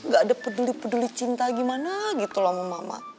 gak ada peduli peduli cinta gimana gitu loh sama mama